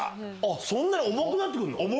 そんな重くなって来るの？